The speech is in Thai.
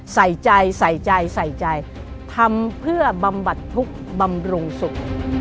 ใส่ใจใส่ใจใส่ใจทำเพื่อบำบัดทุกข์บำรุงสุข